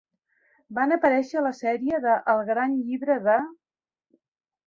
Van aparèixer a la sèrie de "El gran llibre de...".